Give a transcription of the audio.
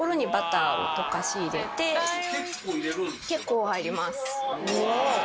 結構入ります。